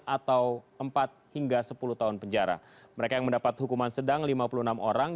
atau empat hingga sepuluh tahun penjara mereka yang mendapat hukuman sedang lima puluh enam orang